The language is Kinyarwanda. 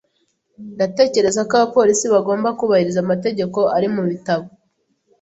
Ndatekereza ko abapolisi bagomba kubahiriza amategeko ari mubitabo.